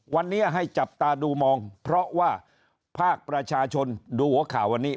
วันนี้ให้จับตาดูมองเพราะว่าภาคประชาชนดูหัวข่าววันนี้